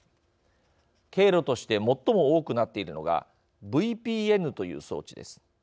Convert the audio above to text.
経路として最も多くなっているのがＶＰＮという装置です。